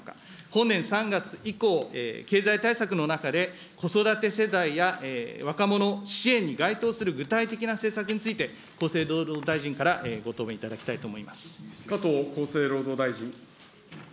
本年３月以降、経済対策の中で、子育て世帯や若者支援に該当する具体的な支援、施策について、厚生労働大臣からご答弁いただきたいと思います。